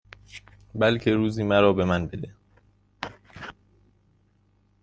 بلکه روزی مرا به من بده